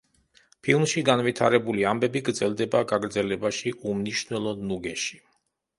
ფილმში განვითარებული ამბები გრძელდება გაგრძელებაში, „უმნიშვნელო ნუგეში“.